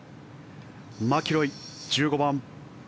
マキロイ、１５番。